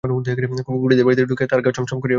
কুরিদের বাড়িতে ঢুকিয়া তাঁহার গা ছম ছম করিয়া উঠিল।